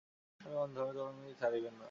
আমি অন্ধ, তবু তিনি আমাকে ছাড়িবেন না।